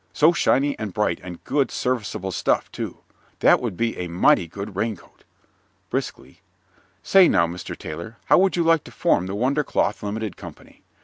So shiny and bright, and good serviceable stuff, too. That would make a mighty good raincoat. (Briskly) Say, now, Mr. Tailor, how would you like to form the Wonder Cloth Limited Company?